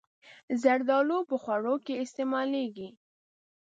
زردالو په خوړو کې استعمالېږي.